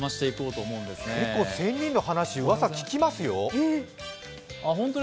仙人の話、うわさ、結構聞きますよ。